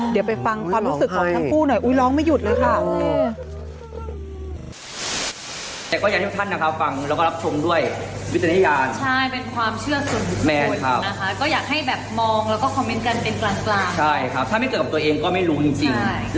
เดี๋ยวไปฟังความรู้สึกของทั้งผู้หน่อย